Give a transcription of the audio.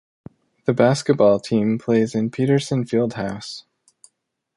The basketball team plays in Peterson Fieldhouse.